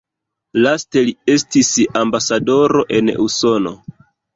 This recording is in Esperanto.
Laste li estis ambasadoro en Usono.